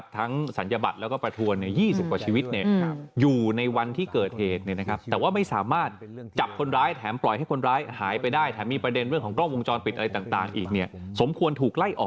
ทั้งศัลยบัตรและประถวร๒๐กว่าชีวิต